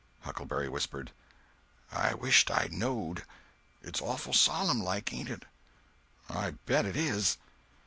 Huckleberry whispered: "I wisht I knowed. It's awful solemn like, ain't it?" "I bet it is."